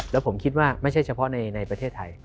แล้วผมคิดว่าไม่ใช่เฉพาะในประเทศไทย